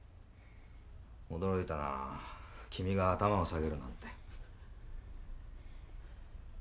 驚いたな君が頭を下げるなんて。